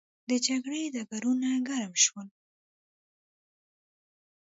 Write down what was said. د جګړې ډګرونه ګرم شول.